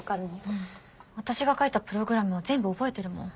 うん私が書いたプログラムは全部覚えてるもん。